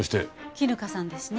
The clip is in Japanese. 絹香さんですね。